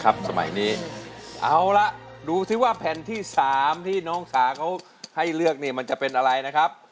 สมัยนี้เอาละดูสิว่าแผ่นที่๓ที่น้องสาเขาให้เลือกนี่มันจะเป็นอะไรนะครับ